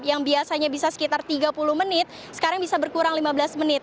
yang biasanya bisa sekitar tiga puluh menit sekarang bisa berkurang lima belas menit